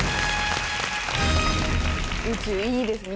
宇宙いいですね。